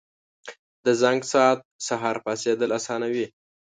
• د زنګ ساعت سهار پاڅېدل اسانوي.